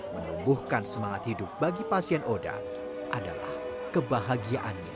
menumbuhkan semangat hidup bagi pasien oda adalah kebahagiaannya